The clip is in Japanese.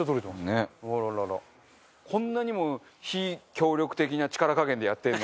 こんなにも非協力的な力加減でやってるのに。